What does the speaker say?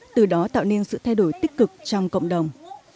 từ đó tạo nên sự thay đổi tích cực trong cộng đồng